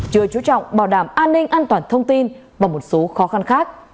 chưa chú trọng bảo đảm an ninh an toàn thông tin và một số khó khăn khác